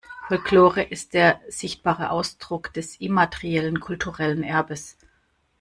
Folklore ist der sichtbare Ausdruck des immateriellen kulturellen Erbes.